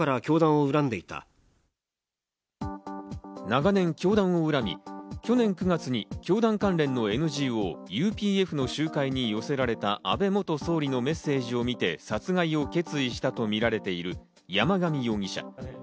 長年教団を恨み、去年９月に教団関連のＮＧＯ、ＵＰＦの集会に寄せられた安倍元総理のメッセージを見て殺害を決意したとみられている山上容疑者。